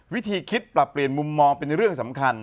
วิธีคิดปรับเปลี่ยนมุมมองเป็นเรื่องสำคัญ